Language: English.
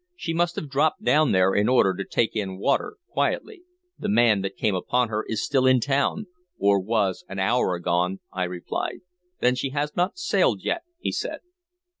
"She must have dropped down there in order to take in water quietly." "The man that came upon her is still in town, or was an hour agone," I replied. "Then she has n't sailed yet," he said.